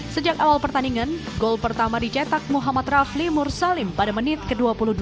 sejak awal pertandingan gol pertama dicetak muhammad rafli mursalim pada menit ke dua puluh dua